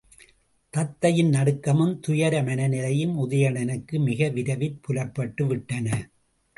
தத்தையின் நடுக்கமும் துயர மனநிலையும் உதயணனுக்கு மிக விரைவிற் புலப்பட்டு விட்டன.